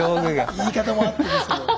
言い方もあってですけど。